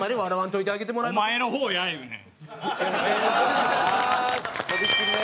お前の方やいうねん。